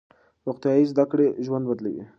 روغتیايي زده کړې ژوند بدلوي.